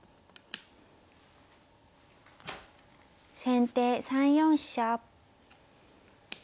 先手３四飛車。